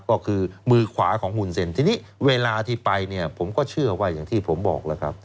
ก็คือมือขวาของหุ่นเซ็นทีนี้เวลาที่ไปเนี่ยผมก็เชื่อว่าอย่างที่ผมบอกแล้วครับ